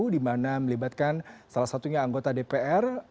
dimana melibatkan salah satunya anggota dpr